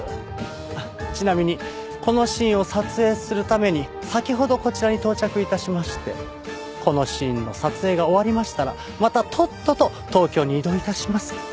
あっちなみにこのシーンを撮影するために先ほどこちらに到着致しましてこのシーンの撮影が終わりましたらまたとっとと東京に移動致します。